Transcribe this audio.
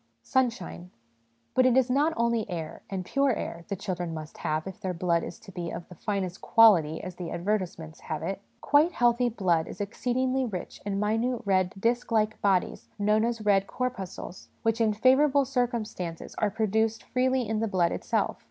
Sunshine. But it is not only air, and pure air, the children must have if their blood is to be of the ' finest quality,' as the advertisements have it. Quite healthy blood is exceedingly rich in minute, red disc like bodies, known as red corpuscles, which in favour able circumstances are produced freely in the blood itself.